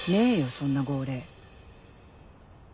そんな号令